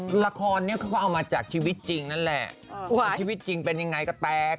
ละคอนนี่เอามาจากชีวิตจริงนั้นแหละชีวิตจริงเป็นยังไงก็แตก